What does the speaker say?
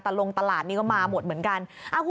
แต่ลงตลาดนี้ก็มาหมดเหมือนกัน